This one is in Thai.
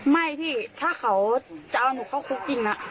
ไม่พี่ถ้าเขาจะเอาหนูเข้าคุกจริงนะ